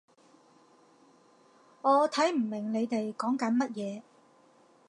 我睇唔明你哋講緊乜嘢